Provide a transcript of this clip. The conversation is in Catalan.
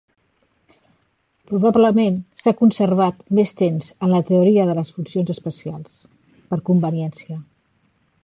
Probablement s'ha conservat més temps en la teoria de les funcions especials, per conveniència.